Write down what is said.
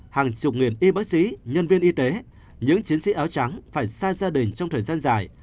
hàng chục nghìn y bác sĩ nhân viên y tế những chiến sĩ áo trắng phải xa gia đình trong thời gian dài